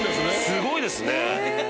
すごいですね！